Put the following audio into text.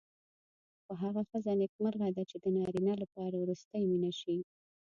خو هغه ښځه نېکمرغه ده چې د نارینه لپاره وروستۍ مینه شي.